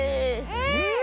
うん！